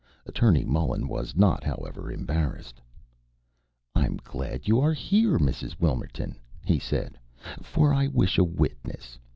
Attorney Mullen was not, however, embarrassed. "I am glad you are here, Mrs. Wilmerton," he said, "for I wish a witness.